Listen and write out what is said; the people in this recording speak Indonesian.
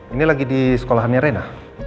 ini lagi di sekolahannya rena